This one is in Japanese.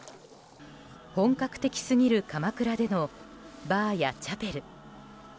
本格的すぎるかまくらでのバーやチャペル。